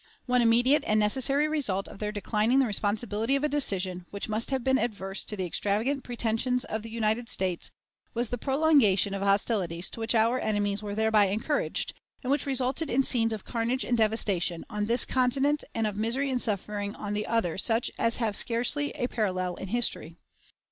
One immediate and necessary result of their declining the responsibility of a decision, which must have been adverse to the extravagant pretensions of the United States, was the prolongation of hostilities to which our enemies were thereby encouraged, and which resulted in scenes of carnage and devastation on this continent and of misery and suffering on the other such as have scarcely a parallel in history.